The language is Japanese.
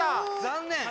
残念！